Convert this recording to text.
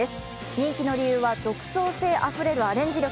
人気の理由は独創性あふれるアレンジ力。